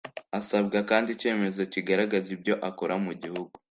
Asabwa kandi icyemezo kigaragaza ibyo akora mu gihugu,